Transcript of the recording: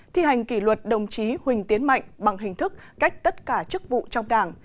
thi hành kỷ luật đồng chí huỳnh tiến mạnh bằng hình thức cách tất cả chức vụ trong đảng